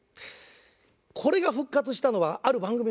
これが復活したのはある番組の事でした。